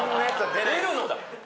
出るのだ！